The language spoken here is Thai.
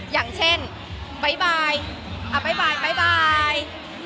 อย่างเช่นบ๊ายบายบ๊ายบายบ๊าย